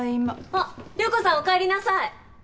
あっ涼子さんおかえりなさい。